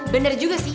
bener juga sih